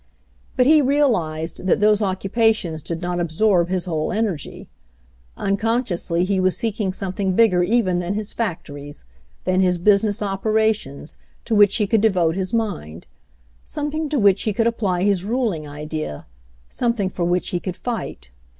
But he realized that those occupations did not absorb his whole energy. Unconsciously he was seeking something bigger even than his factories, than his business operations, to which he could devote his mind — something to which he could apply his ruling idea, something for which he could fight.